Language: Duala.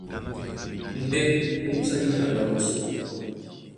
Ndé ómbùsá ní ŋgando a ɓosó,